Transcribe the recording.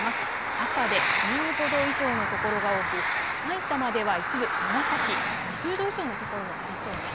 赤で１５度以上の所が多く埼玉では一部、紫、２０度以上の所もありそうです。